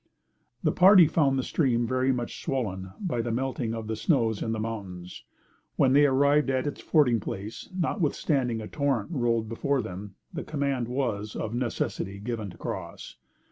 The party found the stream very much swollen by the melting of the snows in the mountains. When they arrived at its fording place, notwithstanding a torrent rolled before them, the command was, of a necessity, given to cross.